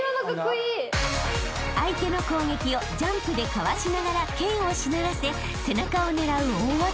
［相手の攻撃をジャンプでかわしながら剣をしならせ背中を狙う大技］